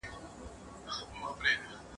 غیږي ته مي راسي مینه مینه پخوانۍ `